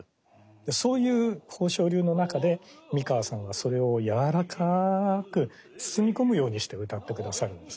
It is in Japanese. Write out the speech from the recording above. そういう宝生流の中で三川さんはそれをやわらかく包み込むようにして謡ってくださるんですね。